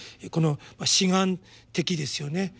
この此岸的ですよね。